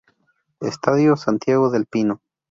Estadio Santiago del Pino